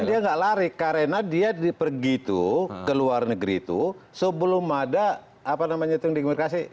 dia nggak lari karena dia pergi itu ke luar negeri itu sebelum ada apa namanya itu yang dikomunikasi